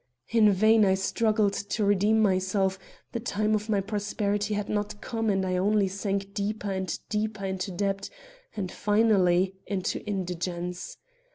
In vain I struggled to redeem myself; the time of my prosperity had not come and I only sank deeper and deeper into debt and finally into indigence.